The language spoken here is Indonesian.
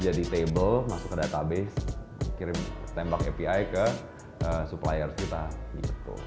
jadi table masuk ke database kirim tembak api ke supplier kita di petco